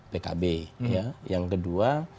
pkb yang kedua